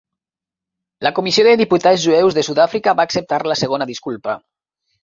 La Comissió de Diputats Jueus de Sud-àfrica va acceptar la segona disculpa.